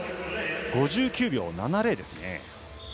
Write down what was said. ５９秒７０です。